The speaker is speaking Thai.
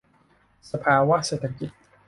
สภาวะเศรษฐกิจ